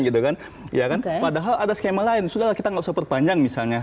ya kan padahal ada skema lain sudahlah kita nggak usah perpanjang misalnya